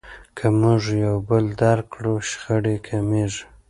که موږ یو بل درک کړو شخړې کمیږي.